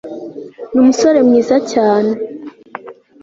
ni umusore mwiza cyane